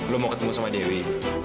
lo mau ketemu sama dewi